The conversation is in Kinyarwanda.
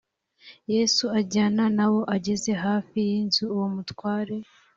yesu ajyana na bo ageze hafi y inzu uwo mutware